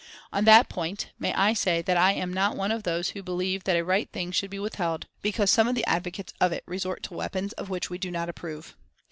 On that point, may I say that I am not one of those who believe that a right thing should be withheld because some of the advocates of it resort to weapons of which we do not approve.